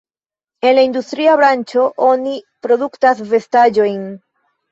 En la industria branĉo oni produktas vestaĵojn.